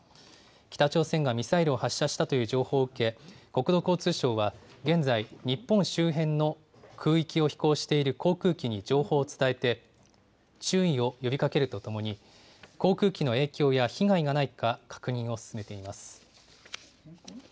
北朝鮮がミサイルを発射したという情報を受け、国土交通省は現在、日本周辺の空域を飛行している航空機に情報を伝えて、注意を呼びかけるとともに、航空機の影響や被害がないか、確認を進めています。